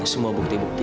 saya beli titik ini